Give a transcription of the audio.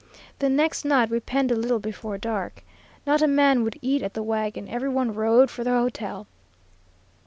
The next night we penned a little before dark. Not a man would eat at the wagon; every one rode for the hotel.